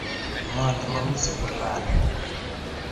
Ng'o ne momi sukul rani?